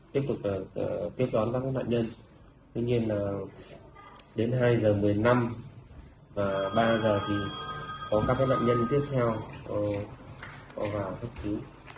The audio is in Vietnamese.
tiếp tục tiếp đón các loại nhân tuy nhiên đến hai h một mươi năm và ba h thì có các loại nhân tiếp theo vào thức trí